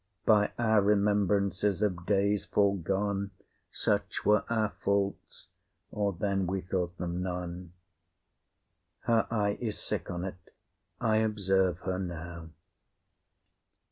By our remembrances of days foregone, Such were our faults, or then we thought them none. Her eye is sick on't; I observe her now.